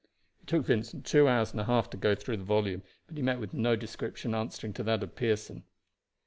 It took Vincent two hours and a half to go through the volume, but he met with no description answering to that of Pearson.